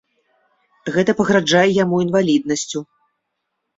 Гэта пагражае яму інваліднасцю.